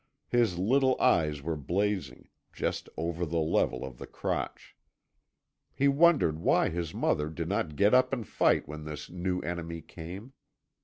His little eyes were blazing, just over the level of the crotch. He wondered why his mother did not get up and fight when this new enemy came.